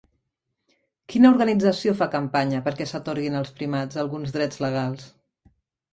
Quina organització fa campanya perquè s'atorguin als primats alguns drets legals?